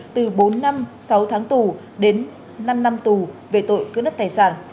từ bốn năm sáu tháng tù đến năm năm tù về tội cưỡng đất tài sản